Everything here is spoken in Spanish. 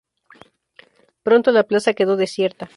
Pronto la plaza quedó desierta.